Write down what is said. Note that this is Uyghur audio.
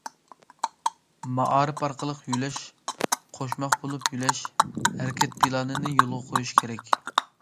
مائارىپ ئارقىلىق يۆلەش، قوشماق بولۇپ يۆلەش ھەرىكەت پىلانىنى يولغا قويۇش كېرەك.